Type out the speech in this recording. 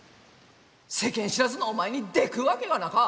世間知らずのお前にでくっわけがなか！